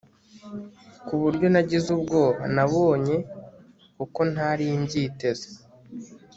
kuburyo nagize ubwoba nyabonye kuko ntari mbyiteze